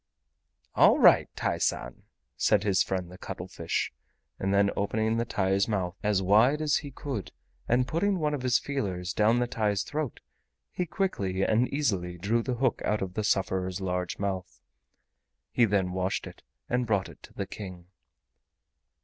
"All right, TAI SAN," said his friend the cuttlefish, and then opening the TAI'S mouth as wide as he could and putting one of his feelers down the TAI'S throat, he quickly and easily drew the hook out of the sufferer's large mouth. He then washed it and brought it to the King.